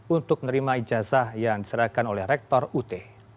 untuk menerima ijazah yang diserahkan oleh rektor ut